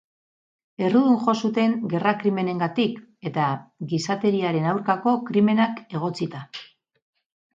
Errudun jo zuten gerra krimenengatik eta gizateriaren aurkako krimenak egotzita.